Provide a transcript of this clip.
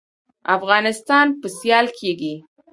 افغانستان به سیال کیږي